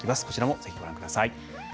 こちらもぜひ、ご覧ください。